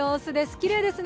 きれいですね。